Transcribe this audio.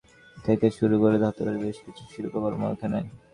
ক্যানভাসে নানা মাধ্যমের চিত্রকর্ম থেকে শুরু করে ধাতবের বেশ কিছু শিল্পকর্ম এখানে।